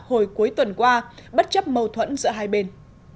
hồi cuối tuần qua bất chấp mâu thuẫn giữa hai bên